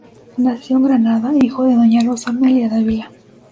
Nació en Granada, hijo de doña Rosa Amelia Dávila.